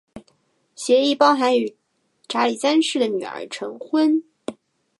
协议包含与查理三世的女儿成婚。